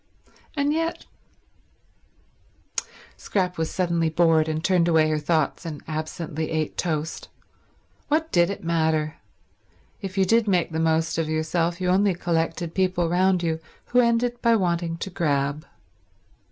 And yet—Scrap was suddenly bored, and turned away her thoughts and absently ate toast. What did it matter? If you did make the most of yourself, you only collected people round you who ended by wanting to grab.